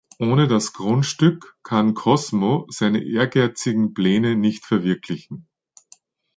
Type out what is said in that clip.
Ohne das Grundstück kann Cosmo seine ehrgeizigen Pläne nicht verwirklichen.